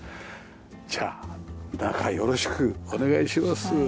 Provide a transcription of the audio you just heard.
じゃあ中よろしくお願いします。